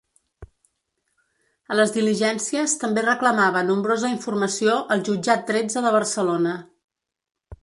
A les diligències també reclamava nombrosa informació al jutjat tretze de Barcelona.